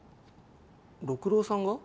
六郎さんが？